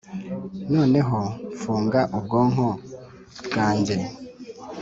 noneho mfunga ubwonko bwanjye